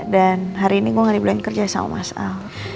dan hari ini gua nggak dibilang kerja sama mas al